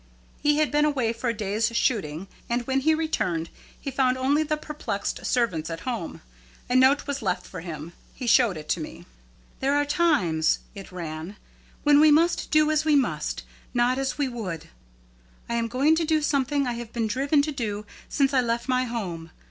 He had been away for a day's shooting, and when he returned he found only the perplexed servants at home. A note was left for him. He showed it to me. "There are times," it ran, "when we must do as we must, not as we would. I am going to do something I have been driven to do since I left my home.